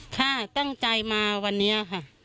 ถ้าตั้งใจมาวันนี้ค่ะ